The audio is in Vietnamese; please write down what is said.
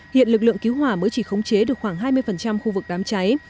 hiện lực lượng cứu hỏa mới chỉ khống chế được khoảng hai mươi khu vực đám cháy